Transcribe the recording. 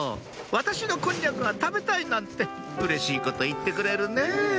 「私のこんにゃくが食べたいなんてうれしいこと言ってくれるねぇ」